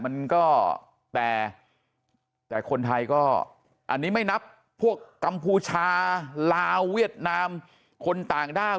มันก็แต่แต่คนไทยก็อันนี้ไม่นับพวกกัมพูชาลาวเวียดนามคนต่างด้าว